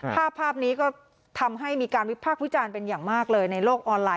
ภาพนี้ก็ทำให้มีการวิพากษ์วิจารณ์เป็นอย่างมากเลยในโลกออนไลน